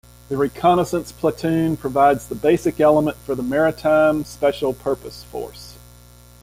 The reconnaissance platoon provides the basic element for the Maritime Special Purpose Force.